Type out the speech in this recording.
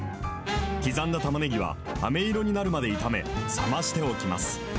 刻んだたまねぎは、あめ色になるまで炒め、冷ましておきます。